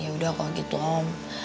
ya udah kalau gitu om